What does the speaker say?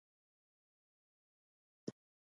بايد د هر څه روښانه اړخ ته پام وکړي.